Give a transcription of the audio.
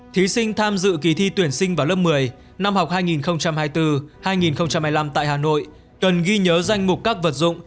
thí sinh tham dự kỳ thi tuyển sinh vào lớp một mươi năm học hai nghìn hai mươi bốn hai nghìn hai mươi năm tại hà nội cần ghi nhớ danh mục các vật dụng